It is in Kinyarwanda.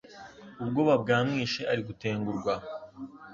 ubwoba bwamwishe ari gutengurwa